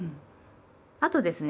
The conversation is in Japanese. あとですね